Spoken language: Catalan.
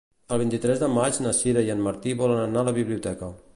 El vint-i-tres de maig na Sira i en Martí volen anar a la biblioteca.